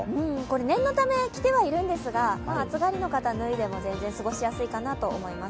念のため着てはいるんですが暑がりの方は脱いでも全然過ごしやすいかなと思います。